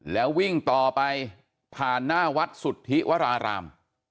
แล้ววิ่งต่อไปผ่านหน้าวัดสุทธิวราราม